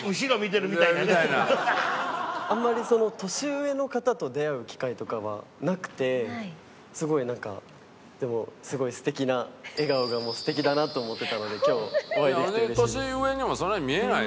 あんまり年上の方と出会う機会とかはなくてすごいなんかでもすごい素敵な笑顔が素敵だなと思ってたので今日お会いできてうれしいです。